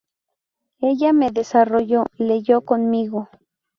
Ella me desarrolló, leyó conmigo.